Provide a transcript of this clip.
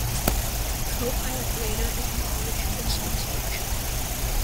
The co-pilot later acknowledged this message.